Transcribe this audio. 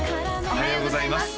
おはようございます